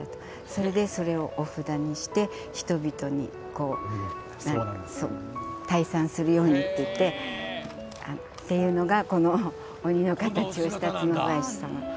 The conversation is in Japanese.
それでそれをお札にして人々に退散するようにっていうのがこの、鬼の形をした角大師様。